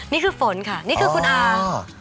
นี่คือฝนค่ะนี่คือคุณอา